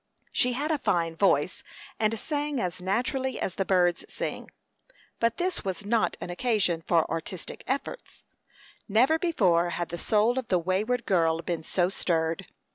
She had a fine voice, and sang as naturally as the birds sing. But this was not an occasion for artistic effects. Never before had the soul of the wayward girl been so stirred.